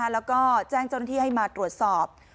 แล้วก็แจ้งเจ้าหน้าที่ให้มาตรวจสอบ